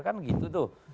kan gitu tuh